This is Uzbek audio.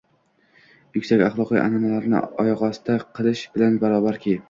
yuksak axloqiy an’analarini oyoq osti qilish bilan barobarki